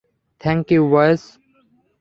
Thank you, boys!